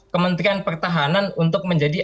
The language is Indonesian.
kementerian pertahanan untuk menjadi